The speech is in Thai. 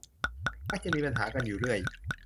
มักจะมีปัญหากันอยู่เรื่อย